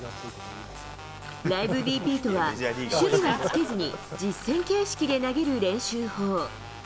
ライブＢＰとは、守備はつけずに実戦形式で投げる練習法。